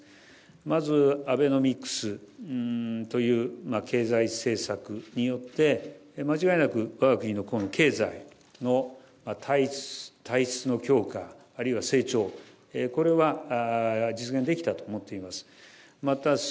まずアベノミクスという経済政策によって、間違いなくわが国の経済の体質の強化、あるいは成長、これは実現できたと思っています。